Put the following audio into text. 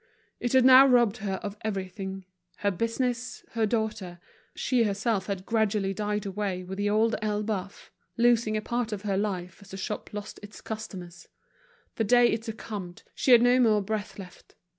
It had now robbed her of everything, her business, her daughter; she herself had gradually died away with The Old Elbeuf, losing a part of her life as the shop lost its customers; the day it succumbed, she had no more breath left.